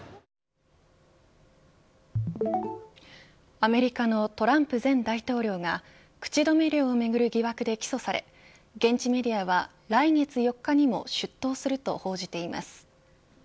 アメリカのトランプ前大統領が口止め料をめぐる疑惑で起訴され現地メディアは来月４日にも出頭すると報じています。